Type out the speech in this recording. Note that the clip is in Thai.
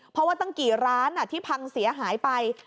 เพราะว่าตั้งกี่ร้านที่พังเสียหายไป